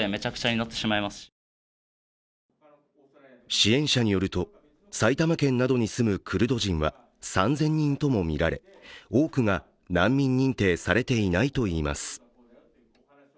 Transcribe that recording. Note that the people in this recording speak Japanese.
支援者によると、埼玉県などに住むクルド人は３０００人ともみられ多くが難民認定されていないといいます。